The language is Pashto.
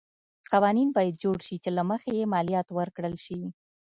قوانین باید جوړ شي چې له مخې یې مالیات ورکړل شي.